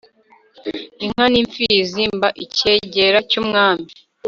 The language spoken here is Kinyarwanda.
inka nimfizi mba icyegera cyumwami